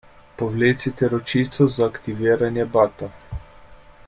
Povlecite ročico za aktiviranje bata.